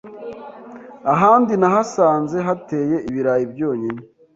Ahandi nahasanze hateye ibirayi byonyine.